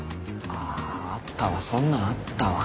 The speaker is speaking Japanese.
ああったわそんなんあったわ。